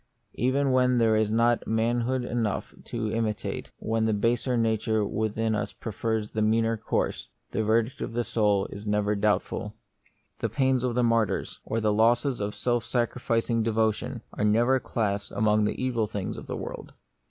Even when there is not manhood enough to imitate, when the baser nature within us pre fers the meaner course, the verdict of the soul is never doubtful. The pains of martyrs, or the losses of self sacrificing devotion, are never classed among the evil things of the world.